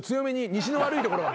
西の悪いとこな。